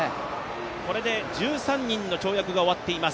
これで１３人の跳躍が終わっています。